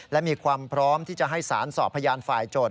และมีความพร้อมที่จะให้สารสอบพยานฝ่ายโจทย